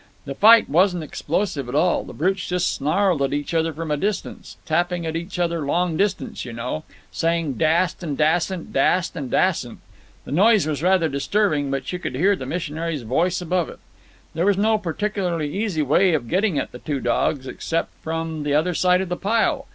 The fight wasn't explosive at all. The brutes just snarled at each other from a distance—tapping at each other long distance, you know, saying dast and dassent, dast and dassent. The noise was rather disturbing, but you could hear the missionary's voice above it. "There was no particularly easy way of getting at the two dogs, except from the other side of the pile.